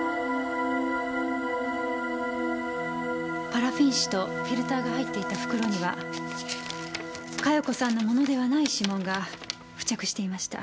パラフィン紙とフィルターが入っていた袋には佳代子さんのものではない指紋が付着していました。